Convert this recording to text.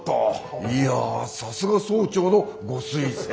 いやさすが総長のご推薦。